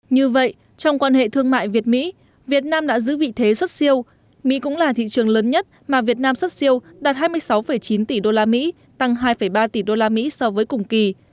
như vậy trong quan hệ thương mại việt mỹ việt nam đã giữ vị thế xuất siêu mỹ cũng là thị trường lớn nhất mà việt nam xuất siêu đạt hai mươi sáu chín tỷ usd tăng hai ba tỷ usd so với cùng kỳ